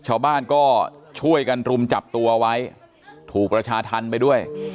ชาวบ้านก็ช่วยกันรุมจับตัวไว้ถูกประชาธรรมไปด้วย